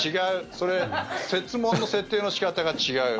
それ、設問の設定の仕方が違う。